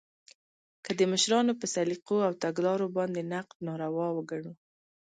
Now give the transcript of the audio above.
که د مشرانو په سلیقو او تګلارو باندې نقد ناروا وګڼو